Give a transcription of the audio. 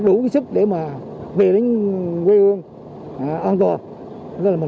đủ sức để mà